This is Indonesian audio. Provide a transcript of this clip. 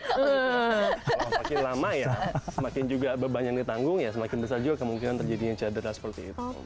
kalau semakin lama ya semakin juga beban yang ditanggung ya semakin besar juga kemungkinan terjadinya cedera seperti itu